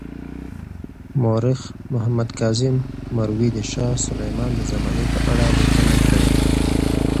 مورخ محمد کاظم مروي د شاه سلیمان د زمانې په اړه لیکنه کړې.